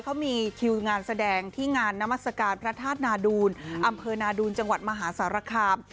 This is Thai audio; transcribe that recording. เขามีคิวงานแสดงที่งานนามัศกาลพระธาตุนาดูลอำเภอนาดูนจังหวัดมหาสารคาม